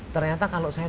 ternyata kalau saya